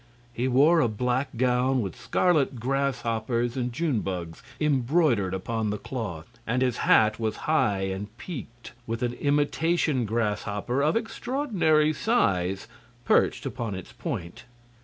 He wore a black gown with scarlet grasshoppers and june bugs embroidered upon the cloth; and his hat was high and peaked, with an imitation grasshopper of extraordinary size perched upon its point.